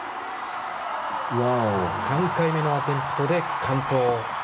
３回目のアテンプトで完登。